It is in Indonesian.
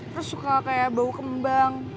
terus suka kayak bau kembang